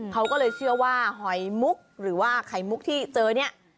เขาก็เลยเชื่อว่าหอยมุกหรือว่าไข่มุกที่เจอเนี่ย